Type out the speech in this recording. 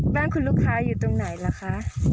บ้านคุณลูกค้าอยู่ตรงไหนล่ะคะ